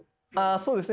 そうですね。